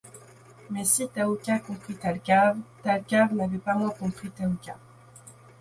Mais si Thaouka comprit Thalcave, Thalcave n’avait pas moins compris Thaouka.